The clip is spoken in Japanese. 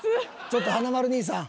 ちょっと華丸兄さん。